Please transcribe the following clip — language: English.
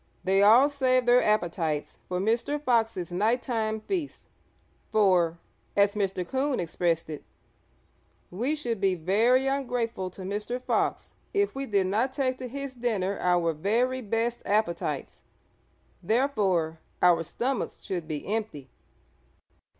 They all saved their appetites for Mr. Fox's night time feast, for, as Mr. Coon expressed it, "we should be very ungrateful to Mr. Fox if we did not take to his dinner our very best appetites; therefore our stomachs should be empty."